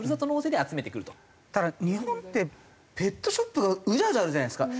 ただ日本ってペットショップがうじゃうじゃあるじゃないですか。